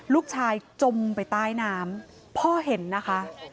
ลูกชายจมไปใต้น้ำพ่อเห็นนะคะ